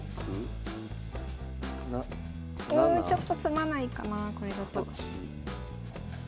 ちょっと詰まないかなこれだと。